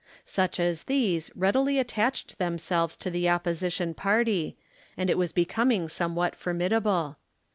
Such as these readily attached themselves to the opposition party, and it was becoming somewhat formidable.